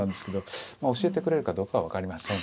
まあ教えてくれるかどうかは分かりません。